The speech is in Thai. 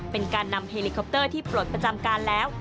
เป็นการนำเฮลิคอปเตอร์ที่ปลดประจำการแล้ว